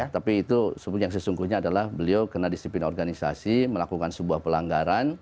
tapi itu yang sesungguhnya adalah beliau kena disiplin organisasi melakukan sebuah pelanggaran